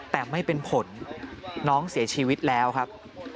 แต่ไม่เป็นผลน้องเสียชีวิตแล้วครับ